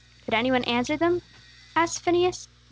"Could any one answer them?" asked Phineas.